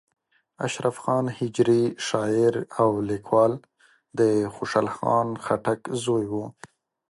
اشرف خان هجري شاعر او لیکوال د خوشحال خان خټک زوی و.